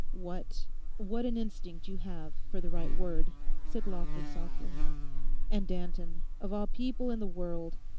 'What—what an instinct you have for the right word,' said Lawford softly. 'And Danton, of all people in the world!